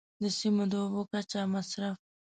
د سیمو د اوبو کچه، مصرف.